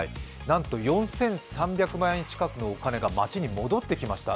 なんと４３００万円近くのお金が町に戻ってきました。